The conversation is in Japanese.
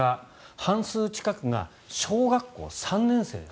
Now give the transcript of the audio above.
半数近くが小学校３年生です。